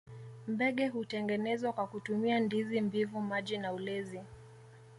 Mbege hutengenezwa kwa kutumia ndizi mbivu maji na ulezi